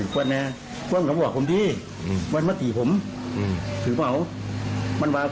แพ้ปวดโหมลึกสู้ตนยาบาล